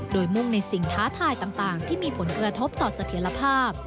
โดยมุ่งในสิ่งท้าทายต่างที่มีผลกระทบต่อเสถียรภาพ